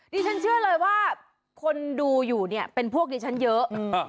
ดิฉันเชื่อเลยว่าคนดูอยู่เนี่ยเป็นพวกดิฉันเยอะ